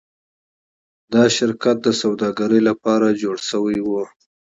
دا شرکت د سوداګرۍ لپاره جوړ شوی و.